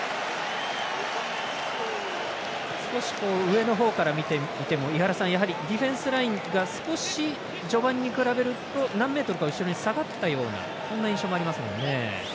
上の方から見ていてもディフェンスラインが少し序盤に比べると何メートルか後ろに下がったようなそんな印象もありましたね。